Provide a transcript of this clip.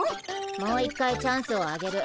もう一回チャンスをあげる。